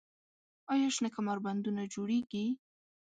آیا شنه کمربندونه جوړیږي؟